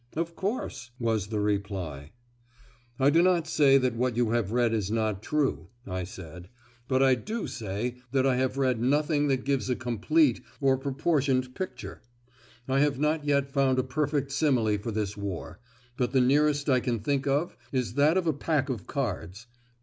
"Of course," was the reply. "I do not say that what you have read is not true," said I; "but I do say that I have read nothing that gives a complete or proportioned picture. I have not yet found a perfect simile for this war, but the nearest I can think of is that of a pack of cards.